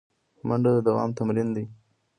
منډه د دوام تمرین دی